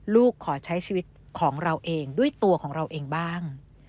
ขอใช้ชีวิตของเราเองด้วยตัวของเราเองบ้าง